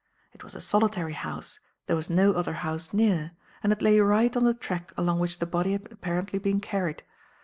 It was a solitary house; there was no other house near; and it lay right on the track along which the body had apparently been carried.